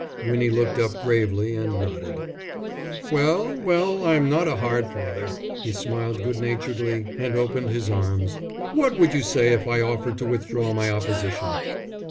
Winnie looked up gravely and nodded. "Well, well, I'm not a hard father." He smiled good naturedly and opened his arms. "What would you say if I offered to withdraw my opposition?"